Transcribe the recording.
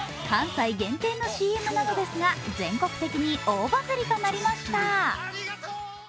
関西限定のＣＭなのですが全国的に大バズりとなりました。